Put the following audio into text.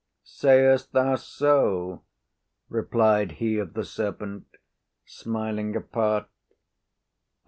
"Sayest thou so?" replied he of the serpent, smiling apart.